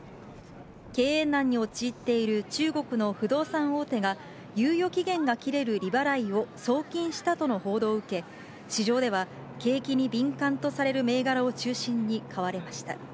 経営難に陥っている中国の不動産大手が猶予期限が切れる利払いを送金したとの報道を受け、市場では、景気に敏感とされる銘柄を中心に買われました。